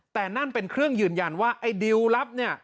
แต่นั่นเป็นเครื่องยืนยันว่าไอ้ดิวรับเนี่ย